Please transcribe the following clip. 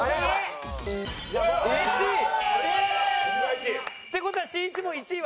１位！って事はしんいちもう１位はないです。